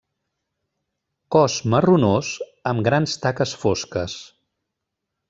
Cos marronós amb grans taques fosques.